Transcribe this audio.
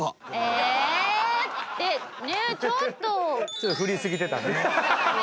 ちょっと振り過ぎてたね。